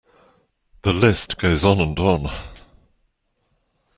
The list goes on and on.